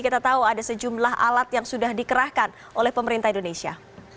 kita tahu ada sejumlah alat yang sudah dikerahkan oleh pemerintah indonesia